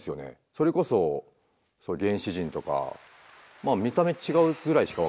それこそ原始人とか見た目違うくらいしか分かんないですけども